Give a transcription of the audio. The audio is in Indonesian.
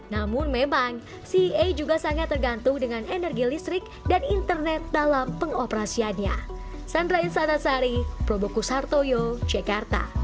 namun memang ca juga sangat tergantung dengan energi listrik dan internet dalam pengoperasiannya